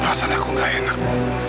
perasaan aku gak enak